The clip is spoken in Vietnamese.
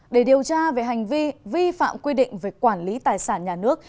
để điều tra về hành vi vi phạm quy định về quản lý tài sản nhà nước